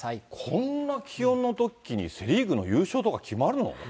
こんな気温のときに、セ・リーグの優勝とか決まるの？